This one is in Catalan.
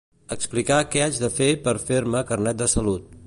Explicar què haig de fer per fer-me Carnet de salut.